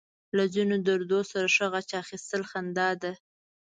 له ځينو دردونو ښه غچ اخيستل خندا ده.